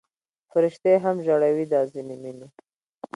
فرشتې هم ژړوي دا ځینې مینې